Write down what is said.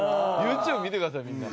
ＹｏｕＴｕｂｅ見てくださいみんな。